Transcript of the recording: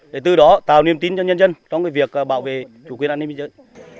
để từ đó tạo niềm tin cho nhân dân trong việc bảo vệ chủ quyền an ninh biên giới